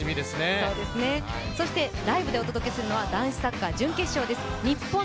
そして、ライブでお届けするのは男子サッカー準決勝です。